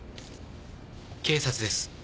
警察です。